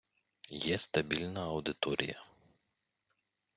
Є стабільна аудиторія.